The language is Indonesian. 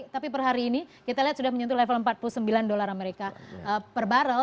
tapi per hari ini kita lihat sudah menyentuh level empat puluh sembilan dolar amerika per barrel